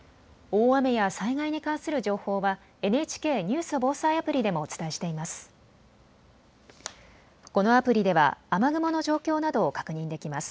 大雨や災害に関する情報はＮＨＫニュース・防災アプリでもお伝えしています。